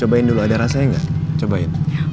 cobain dulu ada rasanya nggak cobain